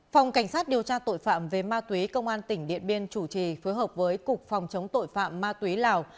phòng cảnh sát điều tra tội phạm về ma túy công an tỉnh điện biên chủ trì phối hợp với cục phòng chống tội phạm ma túy lào